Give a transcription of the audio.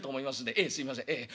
ええすいませんええ。